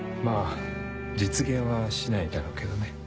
まぁ実現はしないだろうけどね。